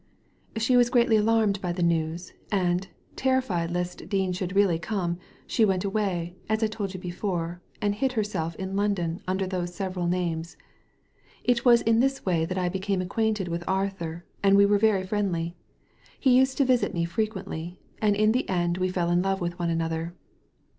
" "She was greatly alarmed by the news; and, terrified lest Dean should really come, she went away, as I told you before, and hid herself in London under those several names. It was in this way that I became acquainted with Arthur, and we were very friendly. He used to visit me frequently, and in the end we fell in love with one another."